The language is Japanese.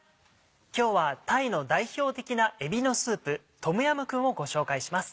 今日はタイの代表的なえびのスープ「トムヤムクン」をご紹介します。